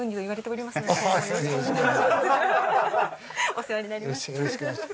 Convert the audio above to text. お世話になります。